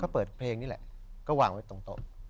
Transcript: เพิ่งนี่แหละก็ว่างไว้ตรงโต๊ะ